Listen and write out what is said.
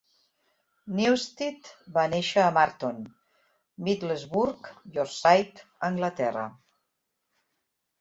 Newstead va néixer a Marton, Middlesbrough, Yorkshire, Anglaterra.